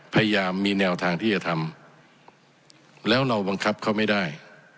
พยายามมีแนวทางที่จะทำแล้วเราบังคับเขาไม่ได้